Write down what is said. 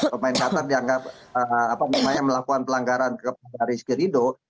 pemain qatar dianggap apa namanya melakukan pelanggaran kepada rizky ridho